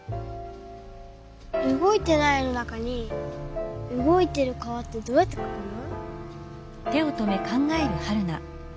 うごいてない絵の中にうごいてる川ってどうやってかくの？